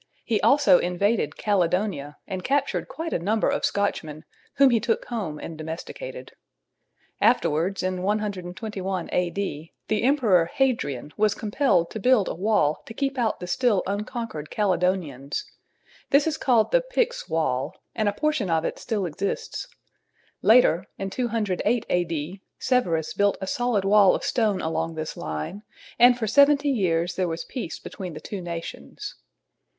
He also invaded Caledonia and captured quite a number of Scotchmen, whom he took home and domesticated. Afterwards, in 121 A.D., the emperor Hadrian was compelled to build a wall to keep out the still unconquered Caledonians. This is called the "Picts' Wall," and a portion of it still exists. Later, in 208 A.D., Severus built a solid wall of stone along this line, and for seventy years there was peace between the two nations.